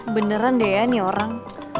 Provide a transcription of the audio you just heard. beneran deh ya nih orang